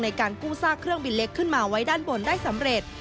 ในการกู้ซากเครื่องบินเล็กขึ้นมาไว้ด้านบนได้สำเร็จ